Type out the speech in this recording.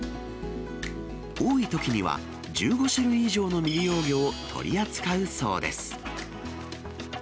多いときには、１５種類以上の未利用魚を取り扱うそうです。